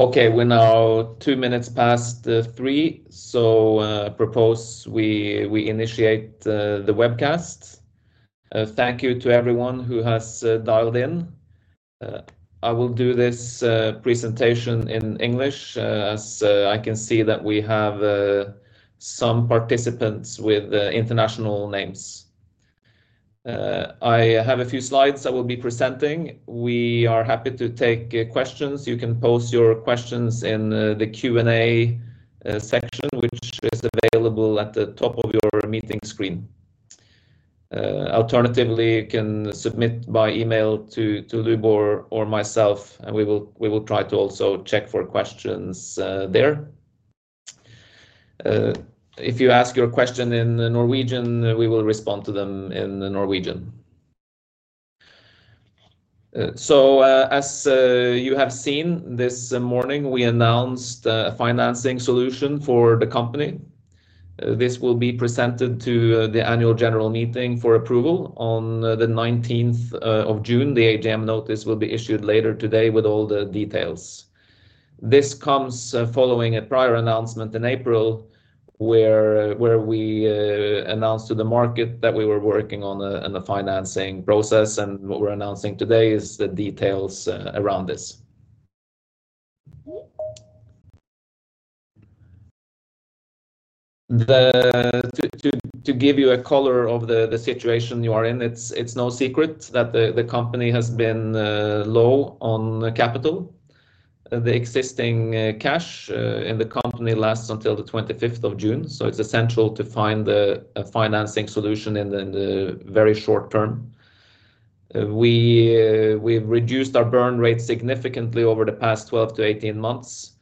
Okay, we're now two minutes past three, so propose we initiate the webcast. Thank you to everyone who has dialed in. I will do this presentation in English, as I can see that we have some participants with international names. I have a few slides I will be presenting. We are happy to take questions. You can pose your questions in the Q&A section, which is available at the top of your meeting screen. Alternatively, you can submit by email to Lubor or myself, and we will try to also check for questions there. If you ask your question in Norwegian, we will respond to them in Norwegian. So, as you have seen, this morning we announced a financing solution for the company. This will be presented to the annual general meeting for approval on the 19th of June. The AGM notice will be issued later today with all the details. This comes following a prior announcement in April, where we announced to the market that we were working on a financing process, and what we're announcing today is the details around this. To give you a color of the situation you are in, it's no secret that the company has been low on capital. The existing cash in the company lasts until the 25th of June, so it's essential to find a financing solution in the very short term. We've reduced our burn rate significantly over the past 12-18 months,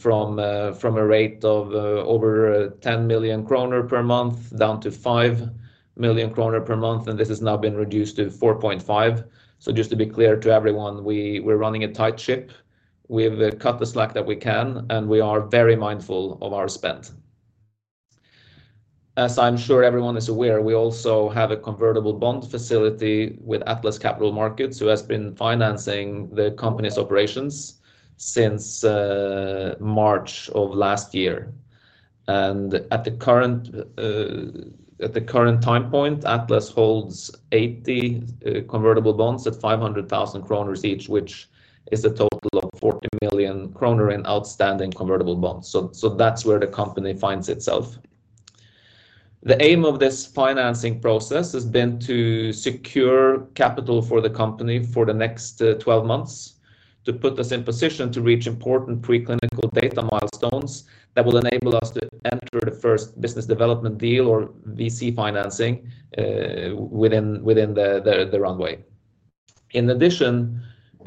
from a rate of over 10 million kroner per month, down to 5 million kroner per month, and this has now been reduced to 4.5. So just to be clear to everyone, we're running a tight ship. We've cut the slack that we can, and we are very mindful of our spend. As I'm sure everyone is aware, we also have a convertible bond facility with Atlas Capital Markets, who has been financing the company's operations since March of last year. And at the current time point, Atlas holds 80 convertible bonds at 500,000 kroner each, which is a total of 40 million kroner in outstanding convertible bonds. So that's where the company finds itself. The aim of this financing process has been to secure capital for the company for the next 12 months, to put us in position to reach important preclinical data milestones that will enable us to enter the first business development deal or VC financing within the runway. In addition,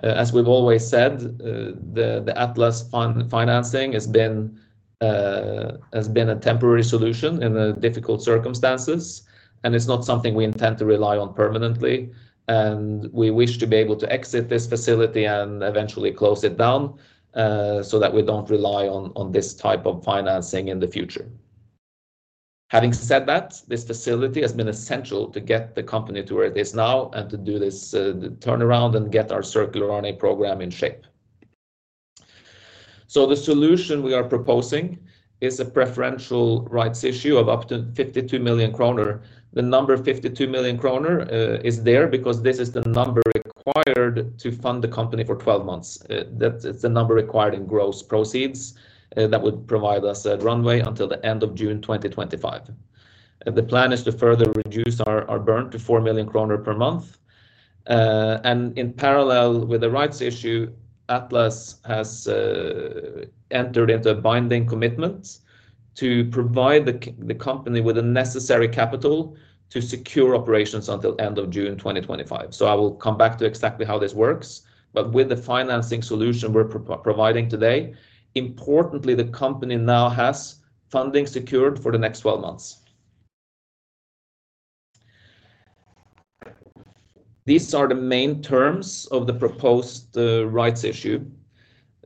as we've always said, the Atlas fund financing has been a temporary solution in the difficult circumstances, and it's not something we intend to rely on permanently, and we wish to be able to exit this facility and eventually close it down, so that we don't rely on this type of financing in the future. Having said that, this facility has been essential to get the company to where it is now, and to do this turnaround and get our circular RNA program in shape. The solution we are proposing is a preferential rights issue of up to 52 million kroner. The number 52 million kroner is there because this is the number required to fund the company for 12 months. That's the number required in gross proceeds that would provide us a runway until the end of June 2025. The plan is to further reduce our burn to 4 million kroner per month. And in parallel with the rights issue, Atlas has entered into a binding commitment to provide the company with the necessary capital to secure operations until end of June 2025. I will come back to exactly how this works, but with the financing solution we're providing today, importantly, the company now has funding secured for the next 12 months. These are the main terms of the proposed rights issue.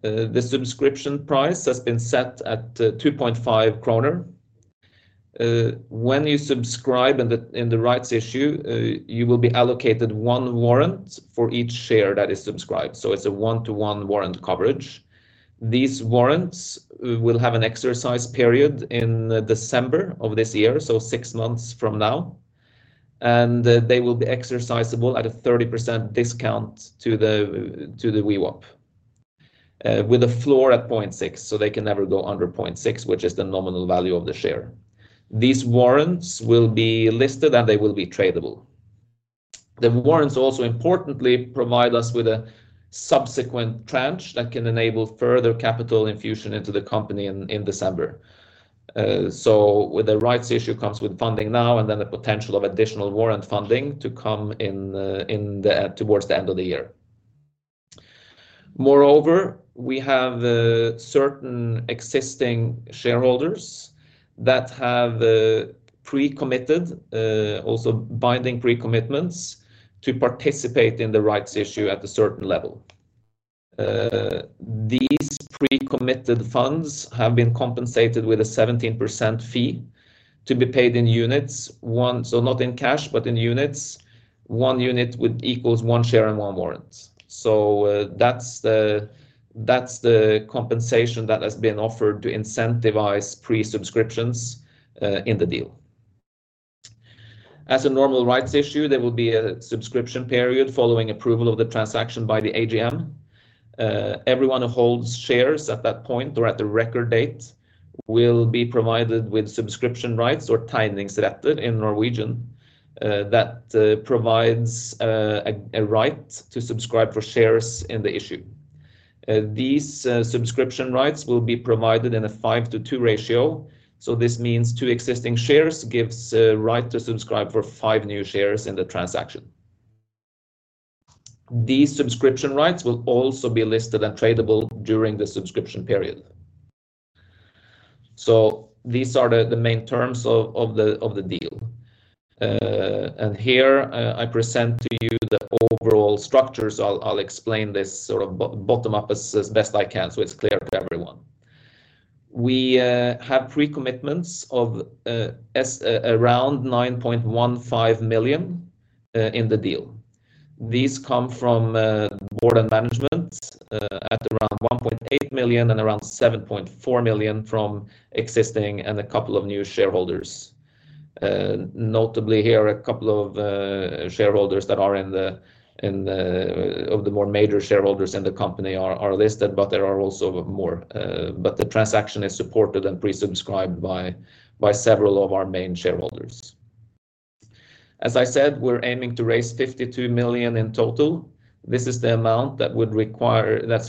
The subscription price has been set at 2.5 kroner. When you subscribe in the rights issue, you will be allocated one warrant for each share that is subscribed, so it's a one-to-one warrant coverage. These warrants will have an exercise period in December of this year, so six months from now, and they will be exercisable at a 30% discount to the VWAP. With a floor at 0.6, so they can never go under 0.6, which is the nominal value of the share. These warrants will be listed, and they will be tradable. The warrants also importantly provide us with a subsequent tranche that can enable further capital infusion into the company in December. So with the rights issue comes with funding now and then the potential of additional warrant funding to come in, in the, towards the end of the year. Moreover, we have certain existing shareholders that have also binding pre-commitments to participate in the rights issue at a certain level. These pre-committed funds have been compensated with a 17% fee to be paid in units, one—so not in cash, but in units. One unit would equals one share and one warrant. So, that's the, that's the compensation that has been offered to incentivize pre-subscriptions in the deal. As a normal rights issue, there will be a subscription period following approval of the transaction by the AGM. Everyone who holds shares at that point or at the record date will be provided with subscription rights or tegningsrett, in Norwegian, that provides a right to subscribe for shares in the issue. These subscription rights will be provided in a five-to-two ratio, so this means two existing shares gives a right to subscribe for 5 new shares in the transaction. These subscription rights will also be listed and tradable during the subscription period. So these are the main terms of the deal. And here, I present to you the overall structure, so I'll explain this sort of bottom up as best I can, so it's clear to everyone. We have pre-commitments of around 9.15 million in the deal. These come from board and management at around 1.8 million and around 7.4 million from existing and a couple of new shareholders. Notably here, a couple of shareholders that are in the of the more major shareholders in the company are listed, but there are also more. But the transaction is supported and pre-subscribed by several of our main shareholders. As I said, we're aiming to raise 52 million in total. This is the amount that's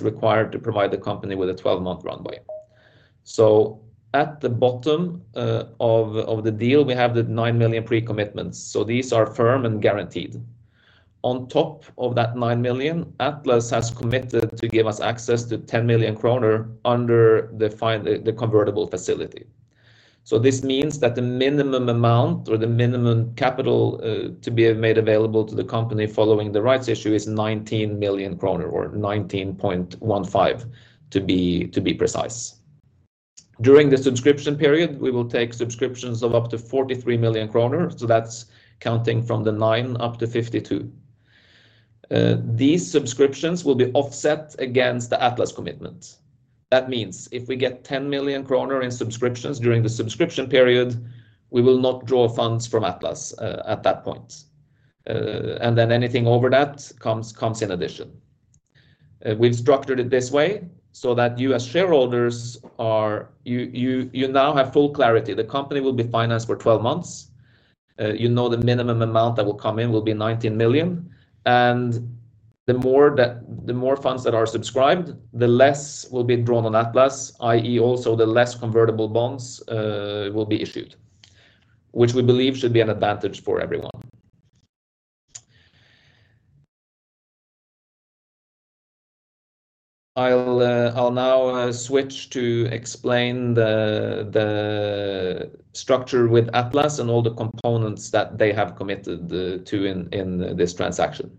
required to provide the company with a 12-month runway. So at the bottom of the deal, we have the 9 million pre-commitments, so these are firm and guaranteed. On top of that 9 million, Atlas has committed to give us access to 10 million kroner under the convertible facility. So this means that the minimum amount or the minimum capital to be made available to the company following the rights issue is 19 million kroner, or 19.15, to be precise. During the subscription period, we will take subscriptions of up to 43 million kroner, so that's counting from the nine up to 52. These subscriptions will be offset against the Atlas commitment. That means if we get 10 million kroner in subscriptions during the subscription period, we will not draw funds from Atlas at that point. And then anything over that comes in addition. We've structured it this way so that you as shareholders are you now have full clarity. The company will be financed for 12 months. You know the minimum amount that will come in will be 19 million, and the more that, the more funds that are subscribed, the less will be drawn on Atlas, i.e., also the less convertible bonds will be issued, which we believe should be an advantage for everyone. I'll now switch to explain the structure with Atlas and all the components that they have committed to in this transaction.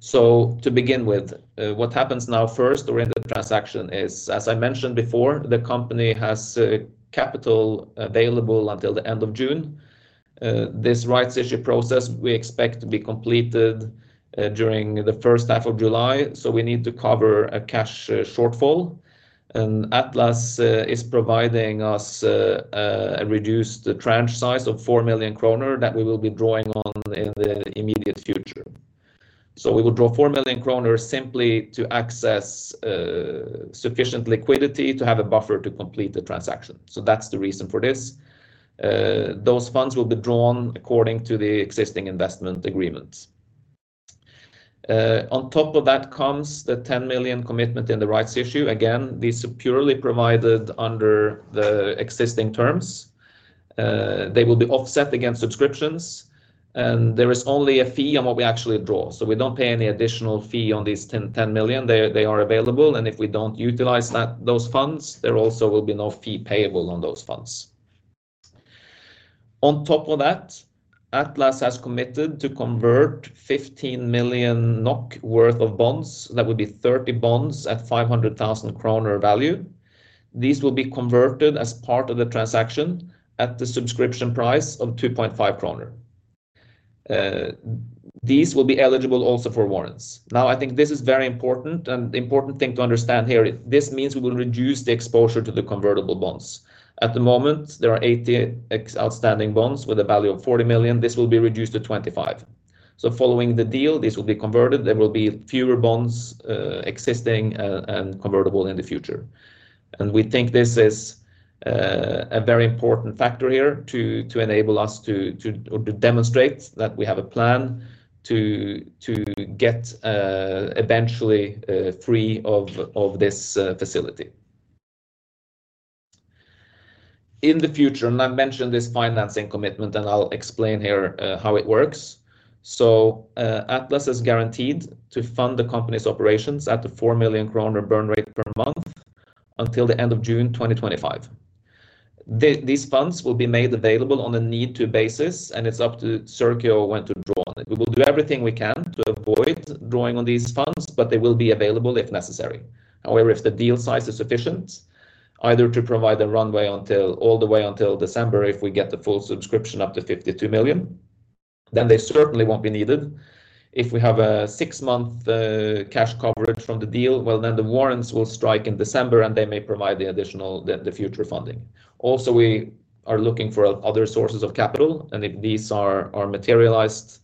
So to begin with, what happens now first during the transaction is, as I mentioned before, the company has capital available until the end of June. This rights issue process, we expect to be completed during the first half of July, so we need to cover a cash shortfall. Atlas is providing us a reduced tranche size of 4 million kroner that we will be drawing on in the immediate future. We will draw 4 million kroner simply to access sufficient liquidity to have a buffer to complete the transaction. That's the reason for this. Those funds will be drawn according to the existing investment agreements. On top of that comes the 10 million commitment in the rights issue. Again, these are purely provided under the existing terms. They will be offset against subscriptions, and there is only a fee on what we actually draw, so we don't pay any additional fee on these 10, 10 million. They, they are available, and if we don't utilize that, those funds, there also will be no fee payable on those funds. On top of that, Atlas has committed to convert 15 million NOK worth of bonds. That would be 30 bonds at 500,000 kroner value. These will be converted as part of the transaction at the subscription price of 2.5 kroner. These will be eligible also for warrants. Now, I think this is very important, and the important thing to understand here, this means we will reduce the exposure to the convertible bonds. At the moment, there are 80 outstanding bonds with a value of 40 million. This will be reduced to 25. So following the deal, this will be converted. There will be fewer bonds, existing, and convertible in the future. We think this is a very important factor here to demonstrate that we have a plan to get eventually free of this facility. In the future, and I mentioned this financing commitment, and I'll explain here how it works. Atlas is guaranteed to fund the company's operations at the 4 million kroner burn rate per month until the end of June 2025. These funds will be made available on a need-to basis, and it's up to Circio when to draw on it. We will do everything we can to avoid drawing on these funds, but they will be available if necessary. However, if the deal size is sufficient, either to provide a runway until all the way until December, if we get the full subscription up to 52 million, then they certainly won't be needed. If we have a six-month cash coverage from the deal, well, then the warrants will strike in December, and they may provide the additional future funding. Also, we are looking for other sources of capital, and if these are materialized,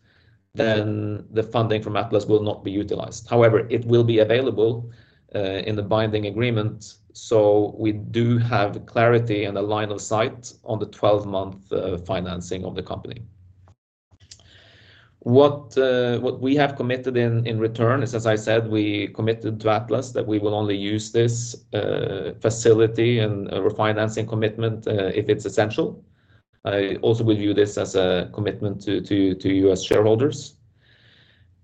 then the funding from Atlas will not be utilized. However, it will be available in the binding agreement, so we do have clarity and a line of sight on the 12-months financing of the company. What we have committed in return is, as I said, we committed to Atlas, that we will only use this facility and refinancing commitment if it's essential. I also will view this as a commitment to you as shareholders.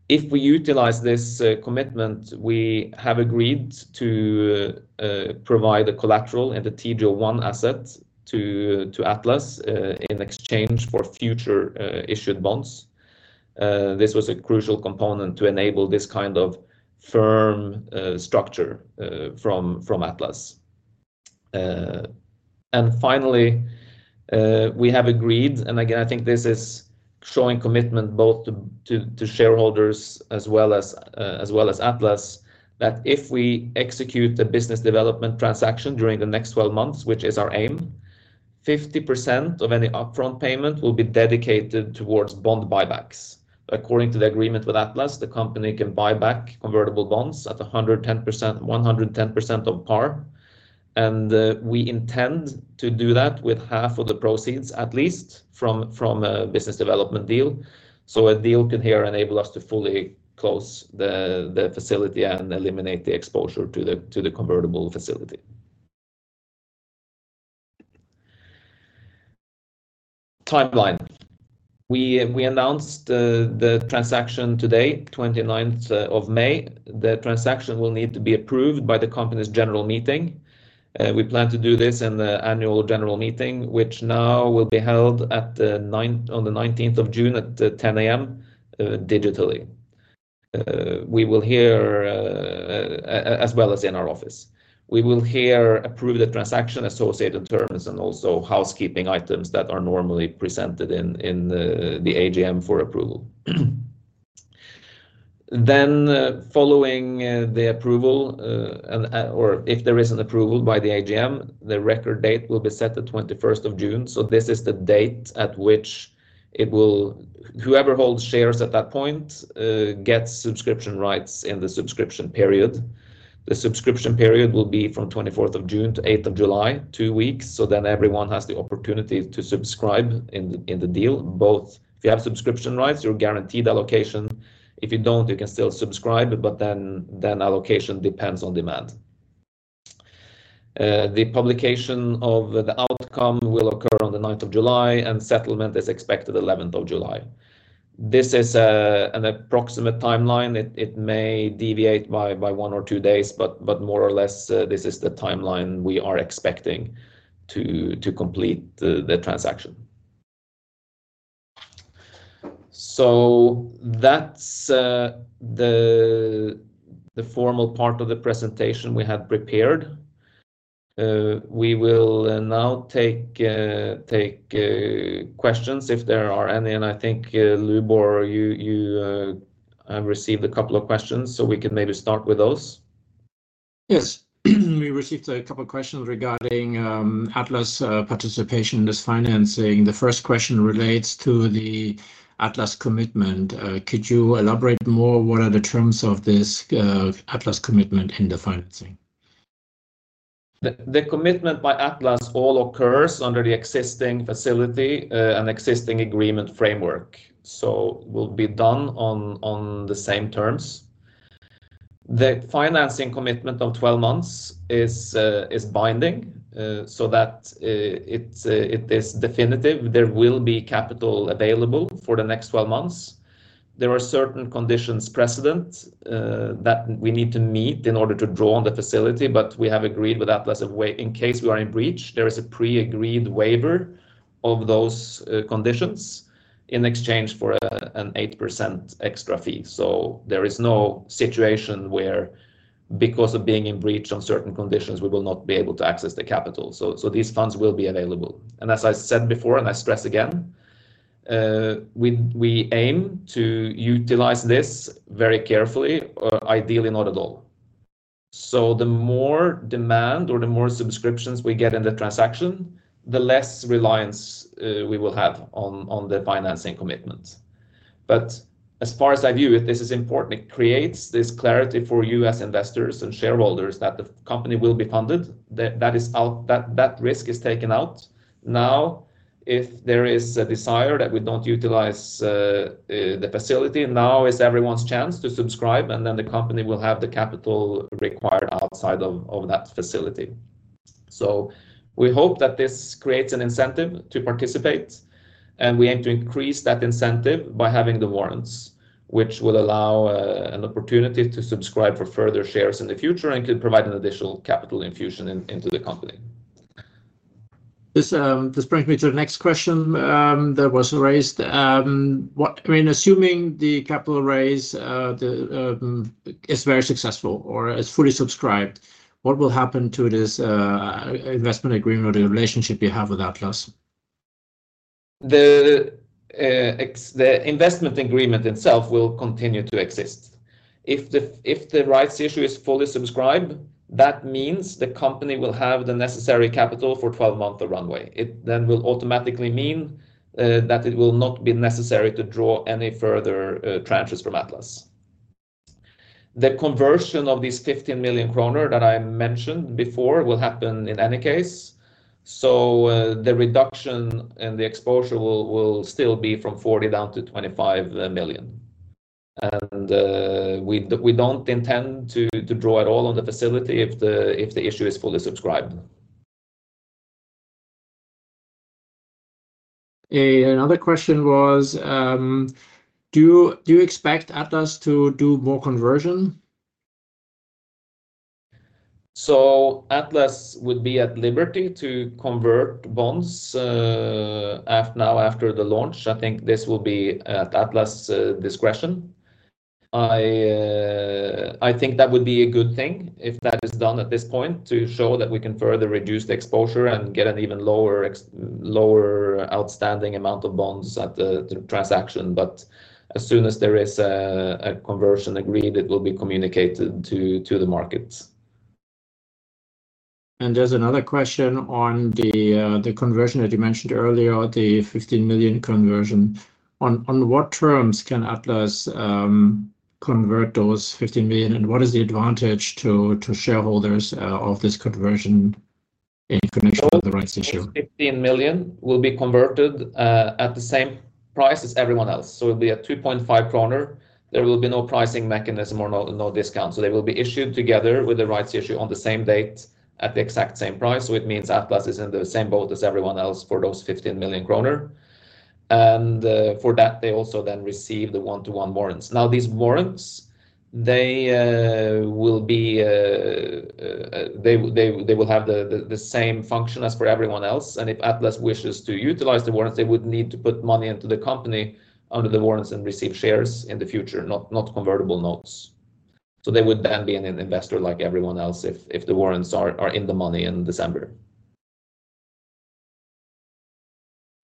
If we utilize this commitment, we have agreed to provide a collateral and the TG01 asset to Atlas in exchange for future issued bonds. This was a crucial component to enable this kind of firm structure from Atlas. And finally, we have agreed, and again, I think this is showing commitment both to shareholders as well as Atlas, that if we execute the business development transaction during the next 12 months, which is our aim, 50% of any upfront payment will be dedicated towards bond buybacks. According to the agreement with Atlas, the company can buy back convertible bonds at 110%, 110% of par, and we intend to do that with half of the proceeds, at least from a business development deal. So a deal can here enable us to fully close the facility and eliminate the exposure to the convertible facility. Timeline. We announced the transaction today, 29th of May. The transaction will need to be approved by the company's general meeting. We plan to do this in the annual general meeting, which now will be held on the 19th of June at 10 A.M. digitally as well as in our office. We will hear, approve the transaction, associated terms, and also housekeeping items that are normally presented in the AGM for approval. Then, following the approval, and or if there is an approval by the AGM, the record date will be set the 21st of June. So this is the date at which it will, whoever holds shares at that point, gets subscription rights in the subscription period. The subscription period will be from 24th of June to 8th of July, two weeks, so then everyone has the opportunity to subscribe in the deal, both if you have subscription rights, you're guaranteed allocation. If you don't, you can still subscribe, but then allocation depends on demand. The publication of the outcome will occur on the 9th of July, and settlement is expected 11th of July. This is an approximate timeline. It may deviate by one or two days, but more or less, this is the timeline we are expecting to complete the transaction. So that's the formal part of the presentation we had prepared. We will now take questions, if there are any. And I think, Lubor, you received a couple of questions, so we can maybe start with those. Yes. We received a couple of questions regarding Atlas' participation in this financing. The first question relates to the Atlas commitment. Could you elaborate more? What are the terms of this Atlas commitment in the financing? The commitment by Atlas. All occurs under the existing facility and existing agreement framework, so will be done on the same terms. The financing commitment of 12 months is binding, so that it is definitive. There will be capital available for the next 12 months. There are certain conditions precedent that we need to meet in order to draw on the facility, but we have agreed with Atlas, in case we are in breach, there is a pre-agreed waiver of those conditions in exchange for an 8% extra fee. So there is no situation where, because of being in breach on certain conditions, we will not be able to access the capital. So these funds will be available. And as I said before, and I stress again, we aim to utilize this very carefully, or ideally, not at all. So the more demand or the more subscriptions we get in the transaction, the less reliance we will have on the financing commitment. But as far as I view it, this is important. It creates this clarity for you as investors and shareholders that the company will be funded. That is out, that risk is taken out. Now, if there is a desire that we don't utilize the facility, now is everyone's chance to subscribe, and then the company will have the capital required outside of that facility.... We hope that this creates an incentive to participate, and we aim to increase that incentive by having the warrants, which will allow an opportunity to subscribe for further shares in the future and can provide an additional capital infusion into the company. This brings me to the next question that was raised. I mean, assuming the capital raise is very successful or is fully subscribed, what will happen to this investment agreement or the relationship you have with Atlas? The investment agreement itself will continue to exist. If the rights issue is fully subscribed, that means the company will have the necessary capital for a 12-month runway. It then will automatically mean that it will not be necessary to draw any further tranches from Atlas. The conversion of these 15 million kroner that I mentioned before will happen in any case, so the reduction in the exposure will still be from 40 down to 25 million. And we don't intend to draw at all on the facility if the issue is fully subscribed. Another question was: Do you expect Atlas to do more conversion? So Atlas would be at liberty to convert bonds now after the launch. I think this will be at Atlas's discretion. I think that would be a good thing if that is done at this point, to show that we can further reduce the exposure and get an even lower outstanding amount of bonds at the transaction. But as soon as there is a conversion agreed, it will be communicated to the markets. And there's another question on the conversion that you mentioned earlier, the 15 million conversion. On what terms can Atlas convert those 15 million, and what is the advantage to shareholders of this conversion in connection with the rights issue? Those 15 million will be converted at the same price as everyone else, so it'll be at 2.5 kroner. There will be no pricing mechanism or no discount, so they will be issued together with the rights issue on the same date at the exact same price. So it means Atlas is in the same boat as everyone else for those 15 million kroner. And for that, they also then receive the 1-to-1 warrants. Now, these warrants will have the same function as for everyone else, and if Atlas wishes to utilize the warrants, they would need to put money into the company under the warrants and receive shares in the future, not convertible notes. They would then be an investor like everyone else if the warrants are in the money in December.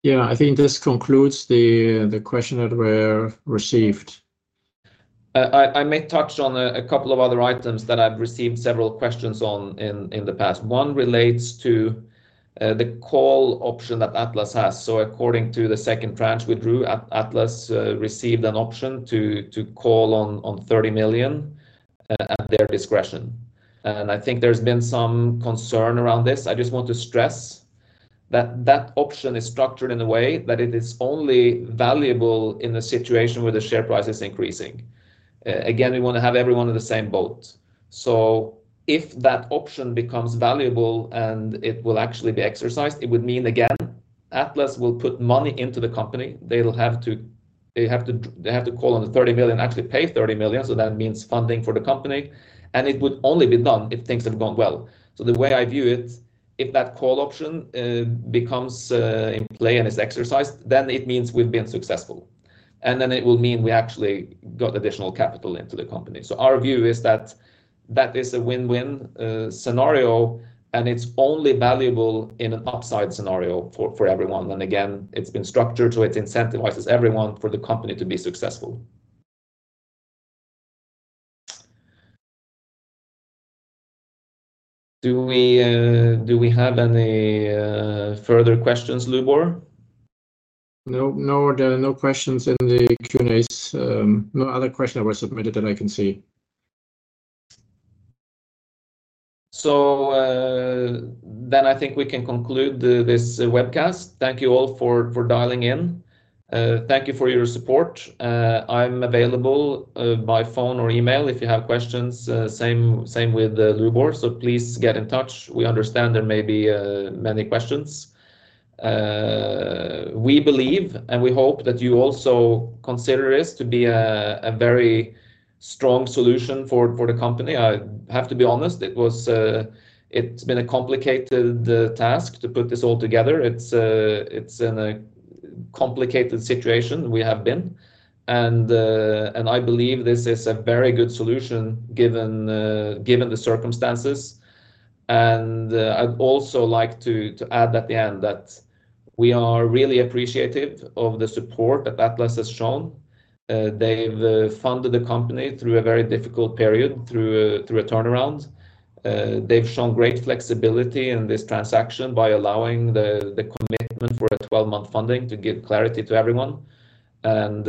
Yeah, I think this concludes the, the question that were received. I may touch on a couple of other items that I've received several questions on in the past. One relates to the call option that Atlas has. So according to the second tranche we drew, Atlas received an option to call on 30 million at their discretion, and I think there's been some concern around this. I just want to stress that that option is structured in a way that it is only valuable in a situation where the share price is increasing. Again, we want to have everyone in the same boat. So if that option becomes valuable and it will actually be exercised, it would mean, again, Atlas will put money into the company. They'll have to... They have to call on the 30 million, actually pay 30 million, so that means funding for the company, and it would only be done if things have gone well. So the way I view it, if that call option becomes in play and is exercised, then it means we've been successful, and then it will mean we actually got additional capital into the company. So our view is that that is a win-win scenario, and it's only valuable in an upside scenario for everyone. And again, it's been structured, so it incentivizes everyone for the company to be successful. Do we do we have any further questions, Lubor? No, no, there are no questions in the Q&As. No other question were submitted that I can see. So, then I think we can conclude this webcast. Thank you all for dialing in. Thank you for your support. I'm available by phone or email if you have questions. Same with Lubor, so please get in touch. We understand there may be many questions. We believe and we hope that you also consider this to be a very strong solution for the company. I have to be honest, it's been a complicated task to put this all together. It's in a complicated situation we have been, and I believe this is a very good solution, given the circumstances. I'd also like to add at the end that we are really appreciative of the support that Atlas has shown. They've funded the company through a very difficult period, through a turnaround. They've shown great flexibility in this transaction by allowing the commitment for a 12-months funding to give clarity to everyone, and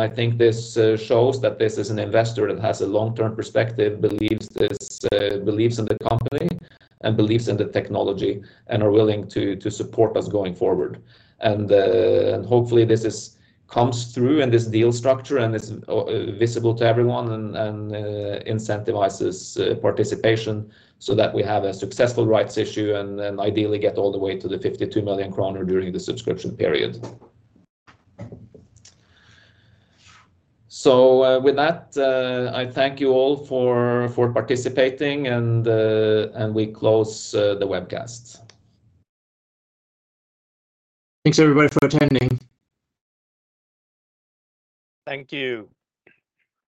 I think this shows that this is an investor that has a long-term perspective, believes this, believes in the company, and believes in the technology, and are willing to support us going forward. And hopefully this comes through in this deal structure, and is visible to everyone, and incentivizes participation so that we have a successful rights issue, and then ideally get all the way to the 52 million kroner during the subscription period. So, with that, I thank you all for participating and we close the webcast. Thanks, everybody, for attending. Thank you.